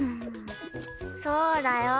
そうだよ。